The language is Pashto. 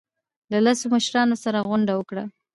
له لسو مشرانو سره غونډه وکړه.